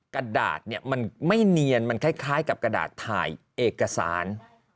กระดาษเนี่ยมันไม่เนียนมันคล้ายกับกระดาษถ่ายเอกสาร